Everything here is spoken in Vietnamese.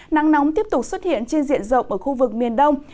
nắng nóng tiếp tục xuất hiện trên diện rộng ở khu vực miền đông